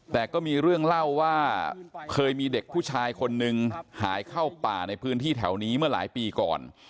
แต่ก็มีเรื่องเล่าว่าเคยมีเด็กผู้ชายคนนึงหายเข้าป่าในพื้นที่แถวนี้เมื่อหลายปีก่อน